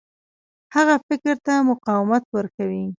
هغه فکر ته مقاومت ورکوي.